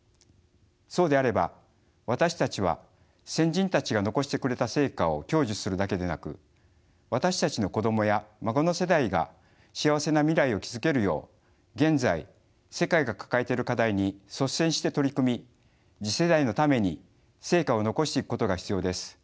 そうであれば私たちは先人たちが残してくれた成果を享受するだけでなく私たちの子供や孫の世代が幸せな未来を築けるよう現在世界が抱えている課題に率先して取り組み次世代のために成果を残していくことが必要です。